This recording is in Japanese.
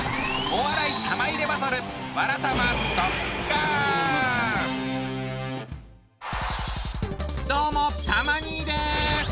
お笑い玉入れバトルどうもたま兄です。